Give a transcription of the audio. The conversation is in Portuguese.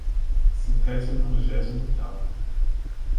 Centésimo nonagésimo oitavo